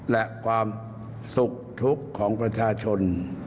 และความสุขทุกข์ของประชาชน